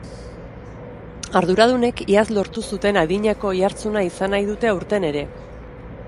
Arduradunek, iaz lortu zuten adinako oihartzuna izan nahi dute aurten ere.